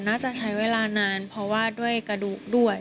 น่าจะใช้เวลานานเพราะว่าด้วยกระดูกด้วย